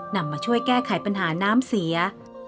นำมาช่วยแก้ไขปัญหาน้ำเสีย